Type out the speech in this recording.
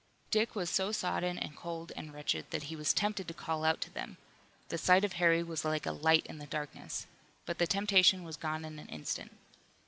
Dick was so sodden and cold and wretched that he was tempted to call out to them the sight of Harry was like a light in the darkness but the temptation was gone in an instant.